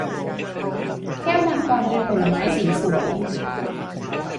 แก้วมังกรเป็นผลไม้สีสวย